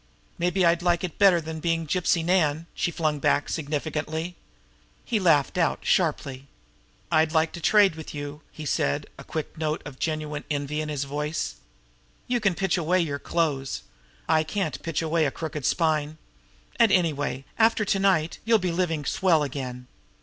"Maybe I'd like it better than being Gypsy Nan!" she flung back significantly. He laughed out sharply. "I'd like to trade with you," he said, a quick note of genuine envy in his voice. "You can pitch away your clothes; I can't pitch away a crooked spine. And, anyway, after to night, you'll be living swell again."